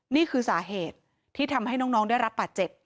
นี่คือสาเหตุที่ทำให้น้องได้รับบาดเจ็บ